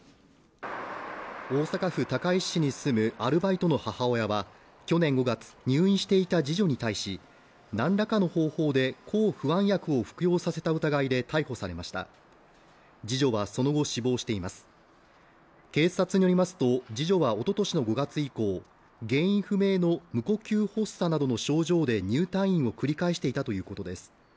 大阪府高石市に住むアルバイトの母親は去年５月入院していた次女に対し何らかの方法で抗不安薬を服用させた疑いで逮捕されました次女はその後死亡しています警察によりますと次女はおととしの５月以降原因不明の無呼吸発作などの症状で入退院を繰り返していたということです